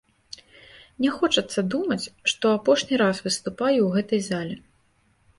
Не хочацца думаць, што апошні раз выступаю ў гэтай зале.